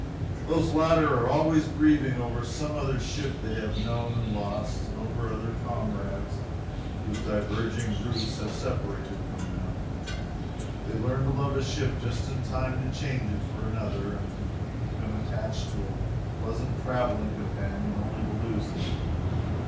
Those latter are always grieving over some other ship they have known and lost, and over other comrades whom diverging routes have separated from them. They learn to love a ship just in time to change it for another, and they become attached to a pleasant traveling companion only to lose him.